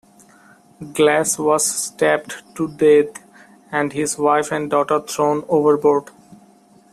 Glas was stabbed to death, and his wife and daughter thrown overboard.